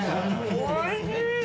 おいしいよ。